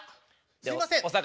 すいません。